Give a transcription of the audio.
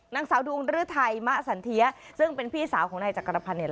นางสาวดวงฤทัยมะสันเทียซึ่งเป็นพี่สาวของนายจักรพันธ์เนี่ย